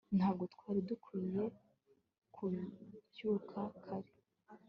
ntabwo twari dukwiye kubyuka kare